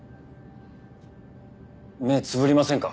目つぶりませんか？